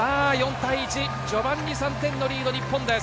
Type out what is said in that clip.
序盤に３点のリード、日本です。